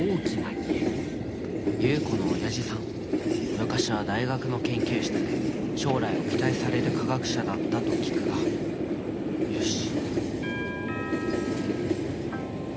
昔は大学の研究室で将来を期待される科学者だったと聞くがよし。